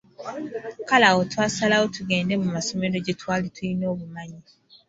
Kale awo twasalawo tugende mu masomero gye twali tulina obumanye.